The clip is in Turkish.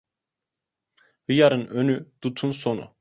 Hıyarın önü, dutun sonu.